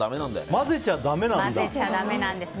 混ぜちゃだめなんです。